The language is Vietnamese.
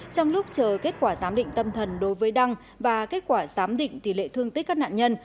trong lúc chờ kết quả giám định tâm thần đối với đăng và kết quả giám định tỷ lệ thương tích các nạn nhân